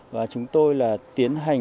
và chúng tôi là tiến hành